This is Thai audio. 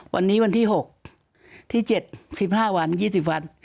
วันนี้วันที่๖ที่๗๑๕วัน๒๐วัน